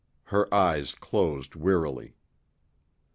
Her eyes closed wearily.